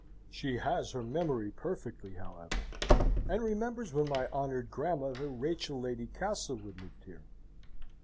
She has her memory perfectly, however, and remembers when my honoured Grandmother Rachel Lady Castlewood lived here.